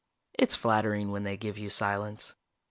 It's flattering when they give you silence.